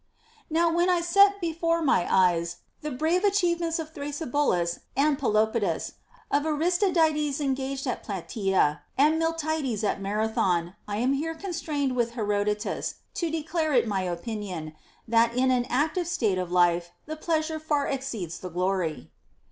Now when I set before my eyes the brave achievements of Thrasybulus and Pelopidas, of Aristides engaged at Plataea and Miltiades at Marathon, I am here constrained with Herodotus to declare it my opinion, that in an active state of life the pleasure far exceeds the glory.